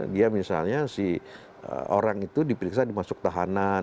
dia misalnya si orang itu diperiksa dimasuk tahanan